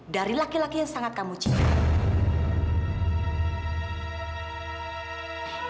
dari laki laki yang sangat kamu cintai